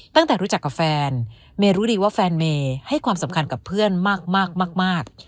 ตั้งแต่รู้จักกับแฟนเมย์รู้ดีว่าแฟนเมย์ให้ความสำคัญกับเพื่อนมาก